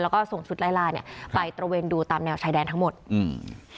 แล้วก็ส่งชุดไล่ล่าเนี้ยไปตระเวนดูตามแนวชายแดนทั้งหมดอืม